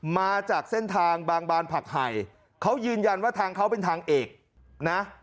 มาจากเส้นทางบางบานผักไห่เขายืนยันว่าทางเขาเป็นทางเอกนะ